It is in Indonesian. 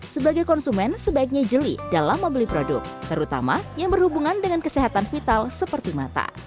sebagai konsumen sebaiknya jeli dalam membeli produk terutama yang berhubungan dengan kesehatan vital seperti mata